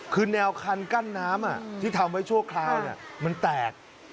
คือแนวคันกั้นน้ำที่ทำไว้ชั่วคราวมันแตก